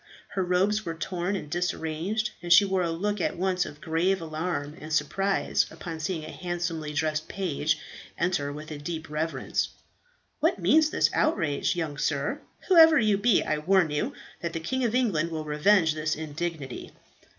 Her robes were torn and disarranged, and she wore a look at once of grave alarm and surprise upon seeing a handsomely dressed page enter with a deep reverence. "What means this outrage, young sir? Whoever you be, I warn you that the King of England will revenge this indignity."